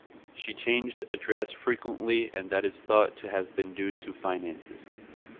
She changed address frequently and that is thought to have been due to finances.